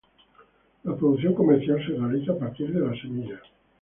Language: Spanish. La producción comercial se realiza a partir de semilla.